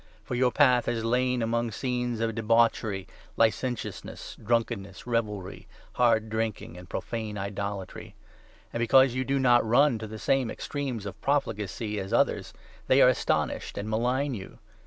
For your path has lain among scenes of debauchery, licentiousness, drunkenness, revelry, hard drinking, and pro fane idolatry. And, because you do not run to the same 4 extremes of profligacy as others, they are astonished, and malign you.